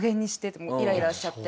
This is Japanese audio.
イライラしちゃって。